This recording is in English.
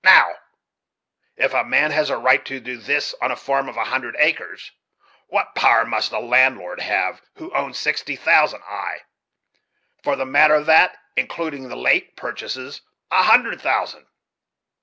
Now, if a man has a right to do this on a farm of a hundred acres, what power must a landlord have who owns sixty thousand ay, for the matter of that, including the late purchases, a hundred thousand?